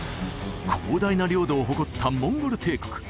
広大な領土を誇ったモンゴル帝国